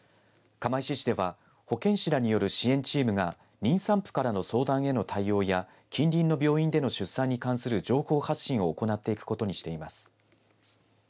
釜石市では保健師らによる支援チームが妊産婦からの相談への対応や近隣の病院での出産に関する情報発信を行っていくことにしています。